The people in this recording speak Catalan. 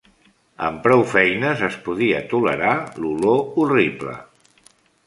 Amb prou feines es podia tolerar l'olor horrible.